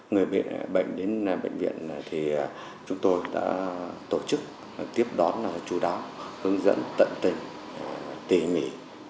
người bệnh đến bệnh viện thì chúng tôi đã tổ chức tiếp đón chú đáo hướng dẫn tận tình tỉ mỉ